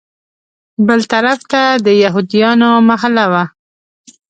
بل طرف ته د یهودیانو محله وه.